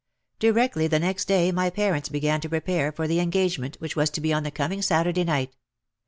Directly the next day my parents began to prepare for the engagement which was to be on the coming Sat urday night.